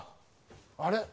あれ。